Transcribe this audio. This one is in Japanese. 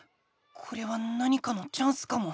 これは何かのチャンスかも。